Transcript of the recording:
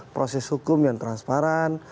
proses hukum yang transparan